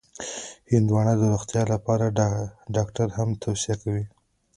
هندوانه د روغتیا لپاره ډاکټر هم توصیه کوي.